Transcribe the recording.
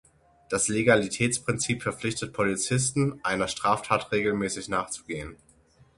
Das Legalitätsprinzip verpflichtet Polizisten, einer Straftat regelmäßig nachzugehen.